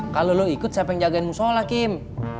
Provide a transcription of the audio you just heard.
kalau lo ikut siapa yang jagain musola kim